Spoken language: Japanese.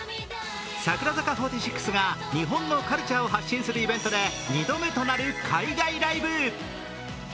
櫻坂４６が日本のカルチャーを発信するイベントで２度目となる海外ライブ！